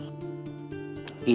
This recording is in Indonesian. atau seorang ibu